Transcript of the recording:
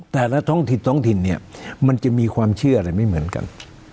แต่ละท้องถิ่นท้องถิ่นเนี่ยมันจะมีความเชื่ออะไรไม่เหมือนกัน